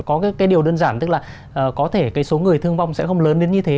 có cái điều đơn giản tức là có thể cái số người thương vong sẽ không lớn đến như thế